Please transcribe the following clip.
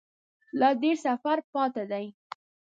لا ډیر سفر پاته دی